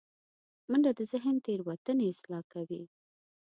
منډه د ذهن تیروتنې اصلاح کوي